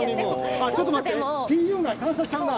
あっちょっと待ってＴ４が反射しちゃうな。